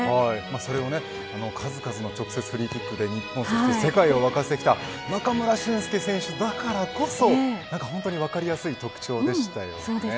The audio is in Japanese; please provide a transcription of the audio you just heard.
それを、数々のフリーキックで日本、世界を沸かせてきた中村選手だからこそ分かりやすい特徴でしたよね。